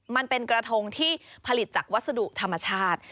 มันเป็นกระทงที่ผลิตจากวัสดุธรรมชาติ